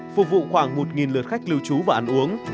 phục vụ khoảng một lượt khách lưu trú và ăn uống